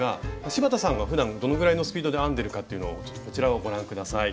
柴田さんがふだんどのぐらいのスピードで編んでるかっていうのをちょっとこちらをご覧下さい。